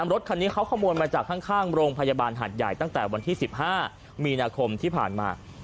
รถคันนี้เขาขโมยมาจากข้างโรงพยาบาลหัดใหญ่ตั้งแต่วันที่๑๕มีนาคมที่ผ่านมา